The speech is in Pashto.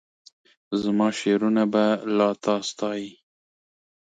زماشعرونه به لا تا ستایي